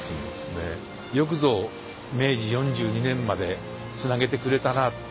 よくぞ明治４２年までつなげてくれたなと。